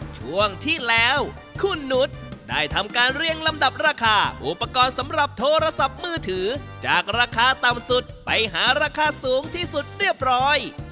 ช่วงที่แล้วคุณนุษย์ได้ทำการเรียงลำดับราคาอุปกรณ์สำหรับโทรศัพท์มือถือจากราคาต่ำสุดไปหาราคาสูงที่สุดเรียบร้อย